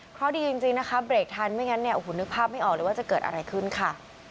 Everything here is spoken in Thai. เพราะดีจริงนะคะเบรกทันไม่งั้นเนี่ยโอ้โหนึกภาพไม่ออกเลยว่าจะเกิดอะไรขึ้นค่ะ